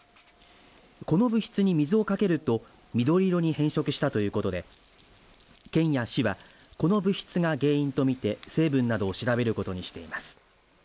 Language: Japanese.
この物質に水をかけると緑色に変色したということで県や市はこの物質が原因と見て成分などを調べることにしています。